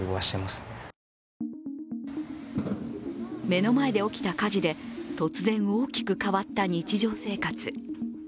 目の前で起きた火事で突然大きく変わった日常生活。